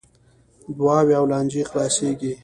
دعاوې او لانجې خلاصیږي .